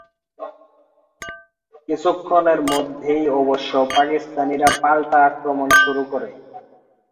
কিছুক্ষণের মধ্যেই অবশ্য পাকিস্তানিরা পাল্টা আক্রমণ শুরু করে।